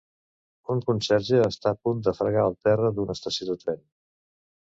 Un conserge està punt de fregar el terra d'una estació de tren.